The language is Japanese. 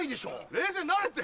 冷静になれって。